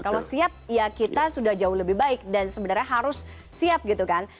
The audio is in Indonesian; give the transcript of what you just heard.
kalau siap ya kita sudah jauh lebih baik dan sebenarnya harus siap gitu kan